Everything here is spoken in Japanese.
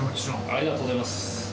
ありがとうございます。